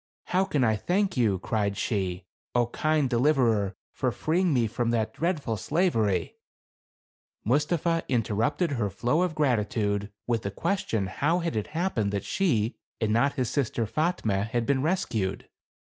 "How can I thank you," cried she, " 0, kind deliverer, for freeing me from that dreadful slavery !" Mustapha interrupted her flow of gratitude, with the question how had it happened that she and not his sister Fatme had been rescued